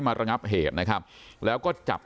ท่านดูเหตุการณ์ก่อนนะครับ